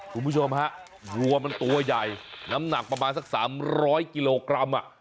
คุณผู้ชมฮะวัวมันตัวใหญ่น้ำหนักประมาณสัก๓๐๐กิโลกรัม